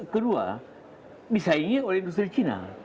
kedua disaingi oleh industri cina